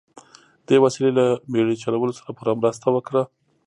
دې وسیلې له بیړۍ چلولو سره پوره مرسته وکړه.